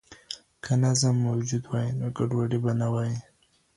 که نظم موجود وای نو ګډوډي به نه وای.